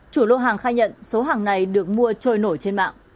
chủ lô hàng khai nhận số hàng này được mua trôi nổi trên mạng